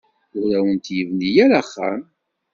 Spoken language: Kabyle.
Ur awent-yebni ara axxam.